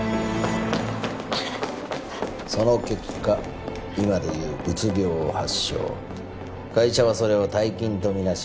その結果今で言ううつ病を発症会社はそれを怠勤とみなし